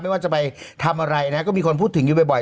ว่าจะไปทำอะไรนะก็มีคนพูดถึงอยู่บ่อย